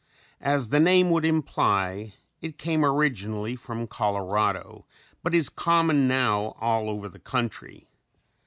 As the name would imply it came originally from Colorado but is common now all over the country.